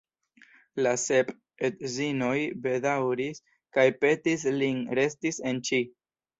La sep edzinoj bedaŭris kaj petis lin resti en Ĉi.